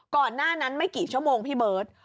ก่อนหน้านั้นไม่กี่ชั่วโมงพี่เบิร์ต